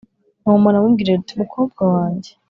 Nawomi aramubwira ati mukobwa wanjye